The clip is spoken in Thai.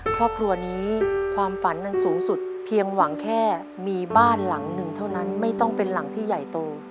ครอบครัวนี้ความฝันนั้นสูงสุดเพียงหวังแค่มีบ้านหลังหนึ่งเท่านั้นไม่ต้องเป็นหลังที่ใหญ่โต